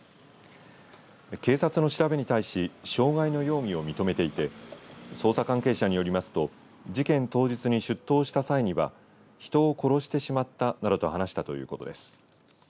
警察の調べに対し傷害の容疑を認めていて捜査関係者によりますと事件当日に出頭した際には人を殺してしまったなどと話したということです。